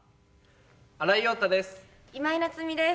新井庸太です。